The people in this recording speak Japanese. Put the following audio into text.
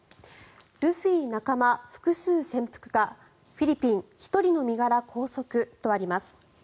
ルフィ仲間、複数潜伏かフィリピン１人の身柄拘束とあります。